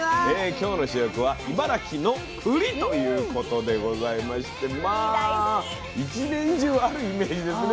今日の主役は茨城のくりということでございましてまあ１年中あるイメージですね。